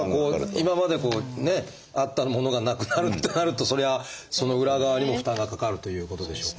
今までこうねあったものがなくなるってなるとそりゃあその裏側にも負担がかかるということでしょうか？